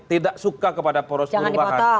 tidak suka kepada poros perubahan